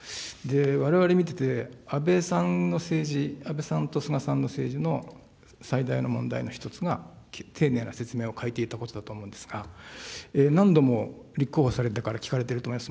われわれ見てて、安倍さんの政治、安倍さんと菅さんの政治の最大の問題の一つが、丁寧な説明を欠いていたことだと思うんですが、何度も、立候補されてから聞かれていると思います。